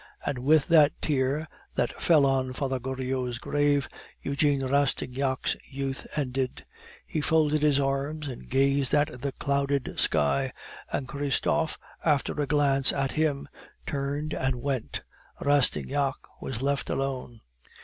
And with that tear that fell on Father Goriot's grave, Eugene Rastignac's youth ended. He folded his arms and gazed at the clouded sky; and Christophe, after a glance at him, turned and went Rastignac was left alone.